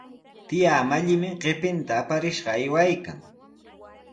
Tiyaa Mallimi qipinta aparishqa aywaykan.